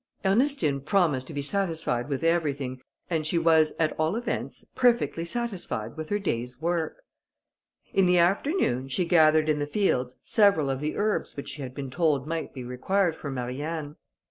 Ernestine promised to be satisfied with everything, and she was, at all events, perfectly satisfied with her day's work. In the afternoon, she gathered in the fields several of the herbs which she had been told might be required for Marianne.